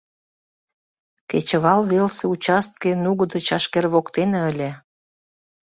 Кечывал велсе участке нугыдо чашкер воктене ыле.